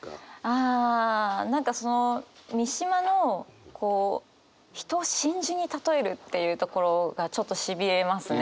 あ何かその三島の人を真珠にたとえるっていうところがちょっとしびれますね。